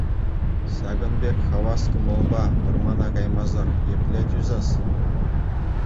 Ҫакӑн пек хавас кӑмӑлпа вӑрмана каймасӑр епле тӳсес!